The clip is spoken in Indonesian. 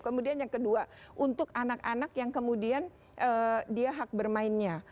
kemudian yang kedua untuk anak anak yang kemudian dia hak bermainnya